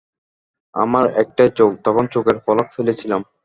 আমার একটাই চোখ, তখন চোখের পলক ফেলেছিলাম।